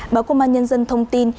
báo công an nhân dân thông tin